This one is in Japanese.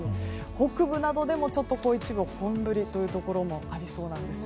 北部などでも一部本降りというところもありそうなんです。